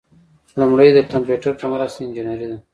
لومړی د کمپیوټر په مرسته انجنیری ده.